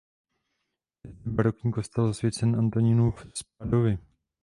Je zde barokní kostel zasvěcený Antonínu z Padovy.